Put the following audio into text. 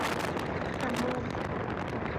حمام